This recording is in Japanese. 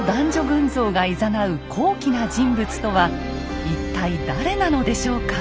群像がいざなう高貴な人物とは一体誰なのでしょうか？